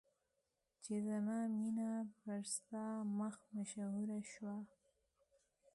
چې زما مینه پر ستا مخ مشهوره شوه.